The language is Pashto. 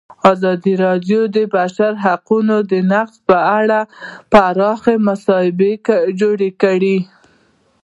ازادي راډیو د د بشري حقونو نقض په اړه پراخ بحثونه جوړ کړي.